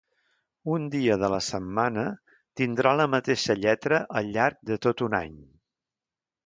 Un dia de la setmana tindrà la mateixa lletra al llarg de tot un any.